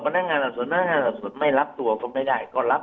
พนักงานสอบส่วนพนักงานสอบส่วนไม่รับตัวก็ไม่ได้ก็รับ